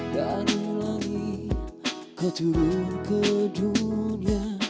lagi kau turun ke dunia